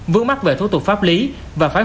vướng mắt về thủ tục pháp lý và phải